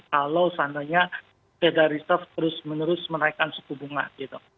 kalau seandainya fedariso terus menerus menaikkan suku bunga gitu